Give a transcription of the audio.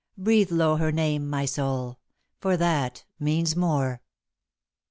Breathe low her name, my soul, for that means more.